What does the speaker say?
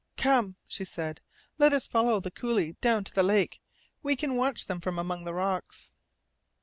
"Come," she said. "Let us follow the coulee down to the lake. We can watch them from among the rocks."